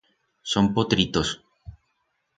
Son potritos.